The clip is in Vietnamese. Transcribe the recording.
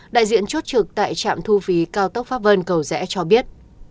đại diện chốt trực tại trạm thu phí cao tốc pháp vân cầu rẽ cho biết